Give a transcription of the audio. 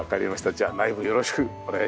じゃあ内部よろしくお願いします。